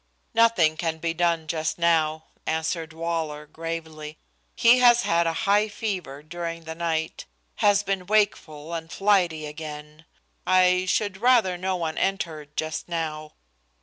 "Nothing can be done just now," answered Waller, gravely. "He has had high fever during the night has been wakeful and flighty again. I should rather no one entered just now."